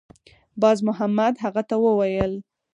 بازمحمد هغه ته وویل